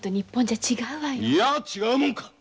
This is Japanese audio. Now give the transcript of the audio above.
いや違うもんか！